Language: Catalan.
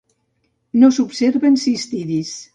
No s'observen cistidis.